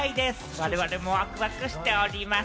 我々もワクワクしております。